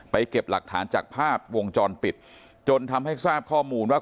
เก็บหลักฐานจากภาพวงจรปิดจนทำให้ทราบข้อมูลว่า